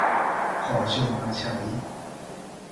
ขอเชิญมาใช้